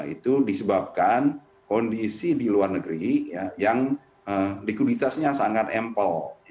itu disebabkan kondisi di luar negeri yang likuiditasnya sangat ampel